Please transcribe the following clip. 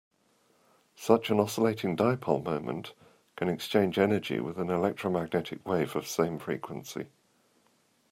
Such an oscillating dipole moment can exchange energy with an electromagnetic wave of same frequency.